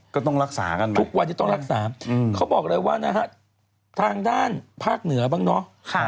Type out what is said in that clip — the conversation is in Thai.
ก็ต้องรักษากันทุกวันนี้ต้องรักษาเขาบอกเลยว่านะฮะทางด้านภาคเหนือบ้างเนาะ